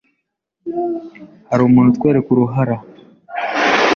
Hari umuntu utwereka uruhara